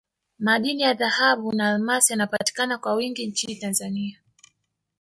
madini ya dhahabu na almasi yanapatikana kwa wingi nchini tanzania